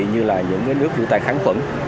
như là những nước rửa tay kháng khuẩn